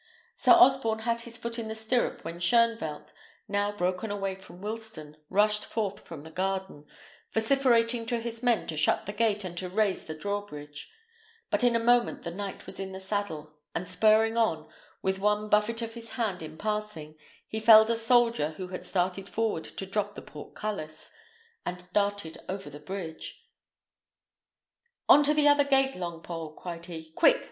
Sir Osborne had his foot in the stirrup when Shoenvelt, now broken away from Wilsten, rushed forth from the garden, vociferating to his men to shut the gate and to raise the drawbridge; but in a moment the knight was in the saddle; and spurring on, with one buffet of his hand in passing, he felled a soldier who had started forward to drop the portcullis, and darted over the bridge. "On to the other gate, Longpole!" cried he. "Quick!